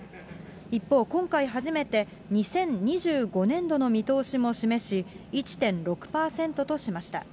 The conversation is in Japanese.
一方、今回初めて２０２５年度の見通しも示し、１．６％としました。